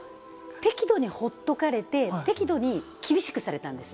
適度にほっとかれて適度に厳しくされたんです。